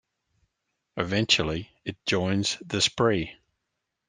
Eventually, it joins the Spree.